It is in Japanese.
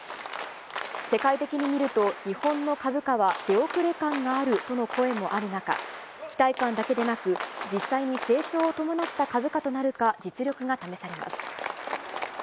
世界的に見ると日本の株価は出遅れ感があるとの声もある中、期待感だけでなく、実際に成長を伴った株価となるか、実力が試されます。